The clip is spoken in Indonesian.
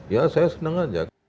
ya saya senang saja